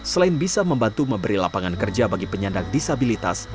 selain bisa membantu memberi lapangan kerja bagi penyandang disabilitas